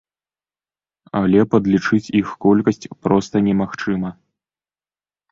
Але падлічыць іх колькасць проста немагчыма.